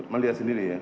melihat sendiri ya